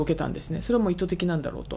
それはもう意図的なんだろうと。